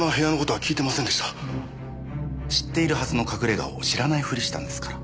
知っているはずの隠れ家を知らないふりしたんですから。